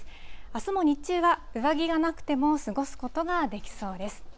あすも日中は上着がなくても過ごすことができそうです。